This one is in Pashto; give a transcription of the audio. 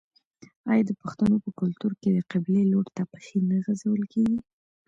آیا د پښتنو په کلتور کې د قبلې لوري ته پښې نه غځول کیږي؟